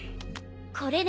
これね。